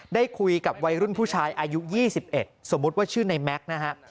ได้คุยกับวัยรุ่นผู้ชายอายุ๒๑สมมุติว่าชื่อในแม็กซ์นะฮะ